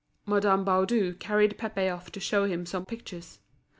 Madame Baudu carried Pépé off to show him some pictures.